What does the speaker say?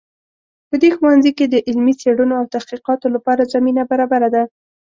په دې ښوونځي کې د علمي څیړنو او تحقیقاتو لپاره زمینه برابره ده